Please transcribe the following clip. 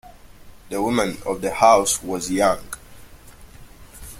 The woman of the house was young.